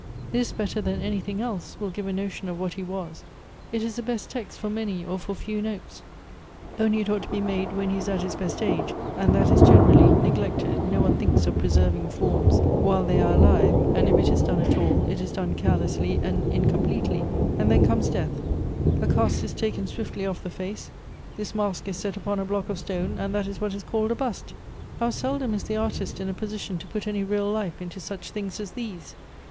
This, better than anything else, will give a notion of what ho was ; it is the best text for many or for few notes, only it ought to be made wlien he is at his best age, and that is generally neglected ; no one thinks of preserving forms Elective Affinities. 159 while they are alive, and if it is done at all, it is done carelessly and incompletely : and then comes death ; a cast is taken swiftly off the face ; this mask is set upon a block of stone, and that is what is called a bust. How seldom is the artist in a position to put any real life into such things as these